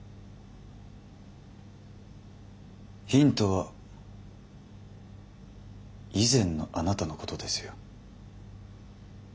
ヒントは以前のあなたのことですよ。